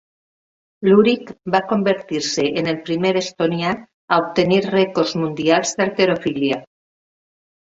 Lurich va convertir-se en el primer estonià a obtenir rècords mundials d'halterofília.